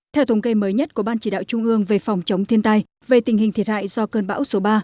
theo thống kê mới nhất của ban chỉ đạo trung ương về phòng chống thiên tai về tình hình thiệt hại do cơn bão số ba